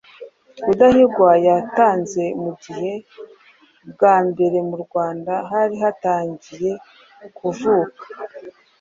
Rudahigwa yatanze mu gihe bwa mbere mu Rwanda hari hatangiye kuvuka